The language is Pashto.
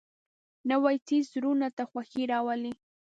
نوی څېز زړونو ته خوښي راولي